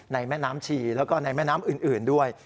แม่น้ำชีแล้วก็ในแม่น้ำอื่นด้วย